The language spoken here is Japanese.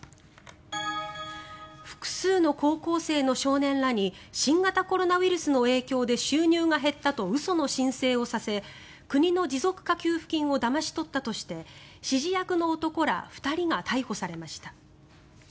複数の高校生の少年らに新型コロナウイルスの影響で収入が減ったと嘘の申請をさせ国の持続化給付金をだまし取ったとして指示役の男ら２人が逮捕されました。